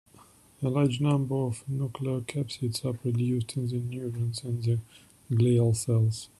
A large number of nucleocapsids are produced in the neurons and the glial cells.